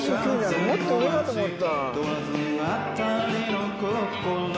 もっと上かと思った。